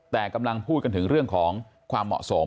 แต่กำลังพูดกันถึงเรื่องของความเหมาะสม